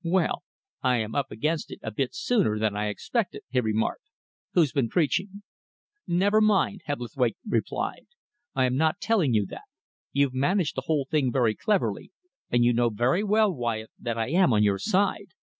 "Well, I am up against it a bit sooner than I expected," he remarked. "Who's been peaching?" "Never mind," Hebblethwaite replied. "I am not telling you that. You've managed the whole thing very cleverly, and you know very well, Wyatt, that I am on your side.